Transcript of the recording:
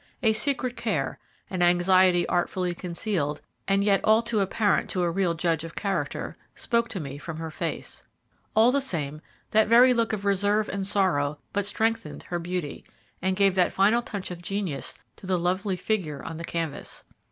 A secret care, an anxiety artfully concealed, and yet all too apparent to a real judge of character, spoke to me from her face. All the same, that very look of reserve and sorrow but strengthened her beauty, and gave that final touch of genius to the lovely figure on the canvas.